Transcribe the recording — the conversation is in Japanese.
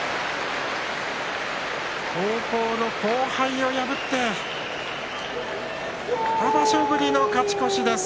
高校の後輩を破って２場所ぶりの勝ち越しです。